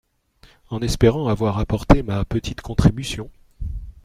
En espérant avoir apporté ma petite contribution.